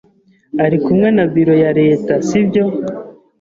Ari kumwe na biro ya leta, si byo?